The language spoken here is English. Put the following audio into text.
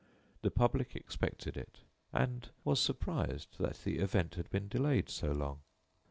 The public expected it, and was surprised that the event had been delayed so long.